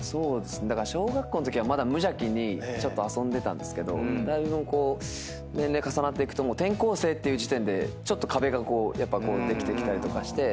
だから小学校のときはまだ無邪気に遊んでたんですけどだいぶこう年齢重なっていくと転校生っていう時点でちょっと壁ができてきたりとかして。